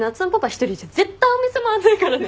一人じゃ絶対お店回んないからね。